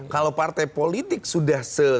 kalau partai politik sudah